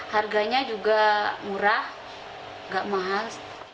harganya juga murah gak mahal